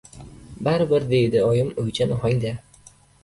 — Bari bir, — deydi oyim o‘ychan ohangda.